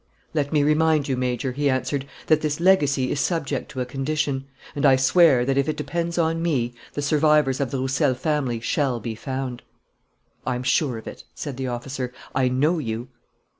"Let me remind you, Major," he answered, "that this legacy is subject to a condition. And I swear that, if it depends on me, the survivors of the Roussel family shall be found." "I'm sure of it," said the officer. "I know you."